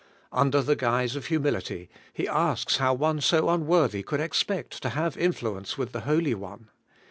Under the guise of humility, he asks how one so unworthy could expect to have influence with the Holy One.